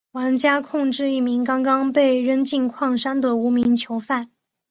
玩家控制一名刚刚被扔进矿山的无名囚犯。